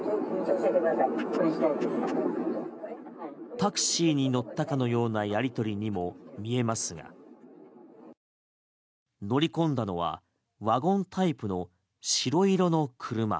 タクシーに乗ったかのようなやり取りにも見えますが乗り込んだのはワゴンタイプの白色の車。